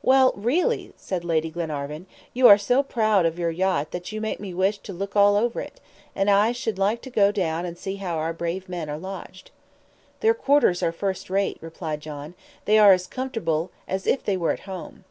"Well, really," said Lady Glenarvan, "you are so proud of your yacht that you make me wish to look all over it; and I should like to go down and see how our brave men are lodged." "Their quarters are first rate," replied John, "they are as comfortable as if they were at home."